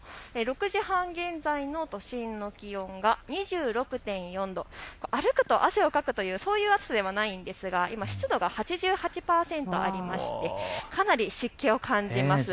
６時半現在の都心の気温は２６．４度、歩くと汗をかくという暑さではないんですが湿度が８８％ありましてかなり湿気を感じます。